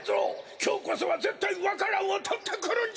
きょうこそはぜったいわか蘭をとってくるんじゃ！